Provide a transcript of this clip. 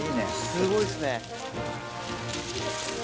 すごいっすね。